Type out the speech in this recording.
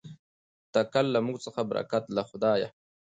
تکل له موږ څخه برکت له خدایه.